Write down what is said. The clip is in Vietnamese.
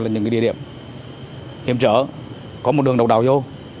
là những địa điểm hiểm trở có một đường độc đạo vô